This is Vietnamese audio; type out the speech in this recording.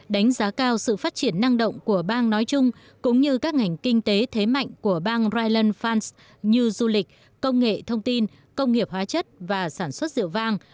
đánh giá cao sự phát triển năng động của bang nói chung cũng như các ngành kinh tế thế mạnh của bang ryan fas như du lịch công nghệ thông tin công nghiệp hóa chất và sản xuất rượu vang